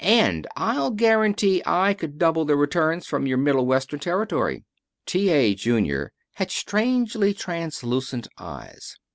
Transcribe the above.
And I'll guarantee I could double the returns from your Middle Western territory." T. A. Junior had strangely translucent eyes.